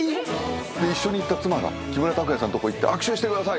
で一緒に行った妻が木村拓哉さんのとこ行って「握手してください！」